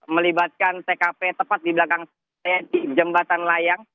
melibatkan tkp tepat di belakang jembatan layang